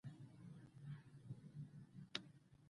د سکرو استخراج ځینې وختونه د ځمکې لاندې اوبو ته ککړتیا رسوي.